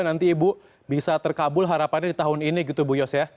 nanti ibu bisa terkabul harapannya di tahun ini gitu bu yos ya